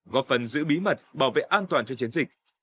góp phần giữ bí mật bảo vệ an toàn cho chiến dịch